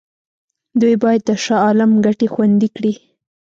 دوی باید د شاه عالم ګټې خوندي کړي.